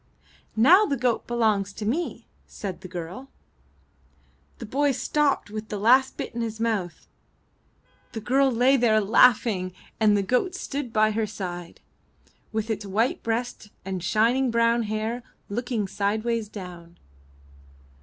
"Now the goat belongs to me," said the girl. The boy stopped with the last bit in his mouth; 360 IN THE NURSERY the girl lay there laughing, and the goat stood by her side, with its white breast and shining brown hair, looking sideways down.